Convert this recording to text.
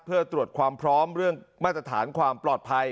เพื่อตรวจความพร้อมเรื่องมาตรฐานความปลอดภัย